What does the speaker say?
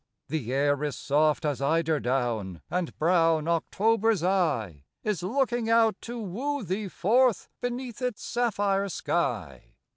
The air is soft as eider down ; And brown October's eye Is looking out to woo thee forth Beneath its sapphire sky.